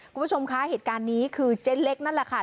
คุณผู้ชมค่ะเหตุการณ์นี้คือเจ๊เล็กครับ